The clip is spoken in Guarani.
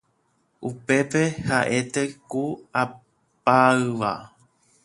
Upépe ha'ete ku apáyva